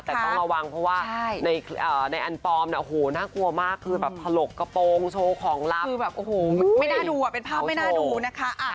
แต่ต้องระวังเพราะว่าในอันปลอมเนี่ยโอ้โหน่ากลัวมากคือแบบถลกกระโปรงโชว์ของลับคือแบบโอ้โหไม่น่าดูอ่ะเป็นภาพไม่น่าดูนะคะ